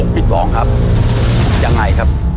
ผิดฟองครับยังไงครับ